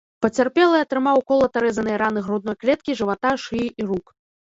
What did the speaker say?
Пацярпелы атрымаў колата-рэзаныя раны грудной клеткі, жывата, шыі і рук.